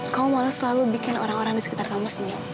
kamu malah selalu bikin orang orang di sekitar kamu semua